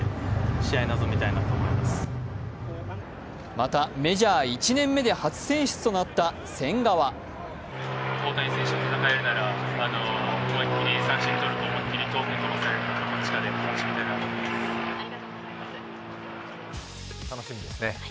またメジャー１年目で初選出となった千賀は楽しみですね。